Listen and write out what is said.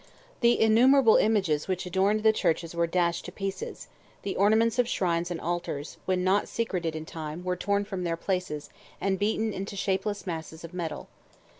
The "innumerable images" which adorned the churches were dashed to pieces; the ornaments of shrines and altars, when not secreted in time, were torn from their places, and beaten into shapeless masses of metal.